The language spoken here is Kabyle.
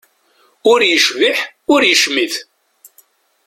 Ur yecbiḥ ur yecmit.